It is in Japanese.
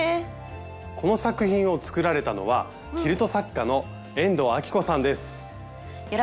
この作品を作られたのはキルト作家の遠藤亜希子さんです。